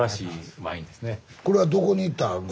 これはどこに行ったらあるの？